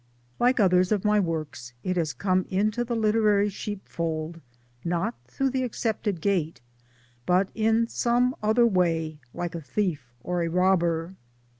Like others of my works it has come into the literary sheep fold not through the accepted gate but " some other way, like a thief or a robber."